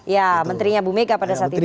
ya menterinya bu mega pada saat itu